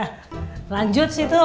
nah lanjut sih tuh